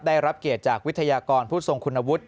ได้รับเกียรติจากวิทยากรผู้ทรงคุณวุฒิ